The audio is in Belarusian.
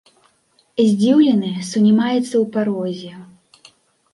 Здзіўлены сунімаецца ў парозе.